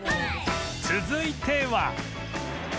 続いては